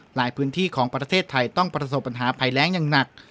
หลายพื้นที่ของประเทศไทยต้องประสบปัญหาภัยแรงอย่างหนัก